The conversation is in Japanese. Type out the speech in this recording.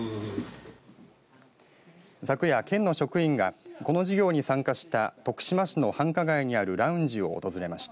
昨夜、県の職員がこの事業に参加した徳島市の繁華街にあるラウンジを訪れました。